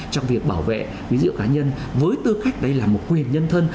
trong việc bảo vệ dịu cá nhân với tư cách đây là một quyền nhân thân